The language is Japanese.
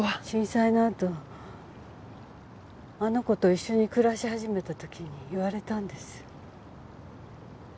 震災のあとあの子と一緒に暮らし始めた時に言われたんです。